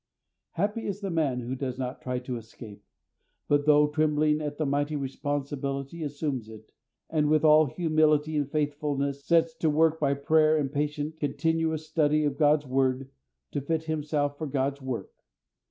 Happy is the man who does not try to escape, but, though trembling at the mighty responsibility, assumes it, and, with all humility and faithfulness, sets to work by prayer and patient, continuous study of God's word, to fit himself for God's work.